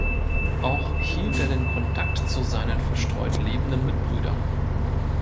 Auch hielt er den Kontakt zu seinen verstreut lebenden Mitbrüdern.